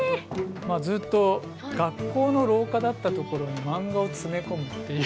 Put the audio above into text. ずっと学校の廊下だったところにマンガを詰め込むっていう。